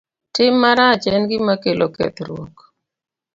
Tim marach en gima kelo kethruok.